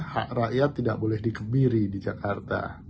hak rakyat tidak boleh dikebiri di jakarta